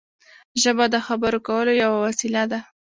ژبه د خبرو کولو یوه وسیله ده.